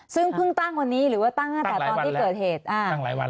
ซึ่งเพิ่งตั้งวันนี้หรือตั้งตอนที่เกิดเหตุอะไรมั้ยตั้งหลายวันแล้ว